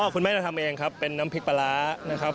คุณแม่เราทำเองครับเป็นน้ำพริกปลาร้านะครับ